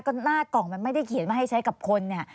ก็หน้ากล่องมันไม่ได้เขียนมาให้ใช้กับคนเนี่ย